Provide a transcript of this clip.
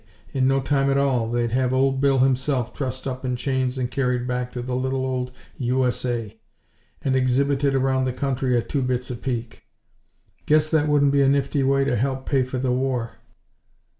In no time at all they'd have Old Bill himself trussed up in chains and carried back to the little old U.S.A., and exhibited around the country at two bits a peek. Guess that wouldn't be a nifty way to help pay for the war!